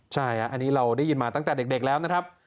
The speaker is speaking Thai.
ใช่อันนี้เราได้ยินมาตั้งแต่เด็กแล้วนะครับ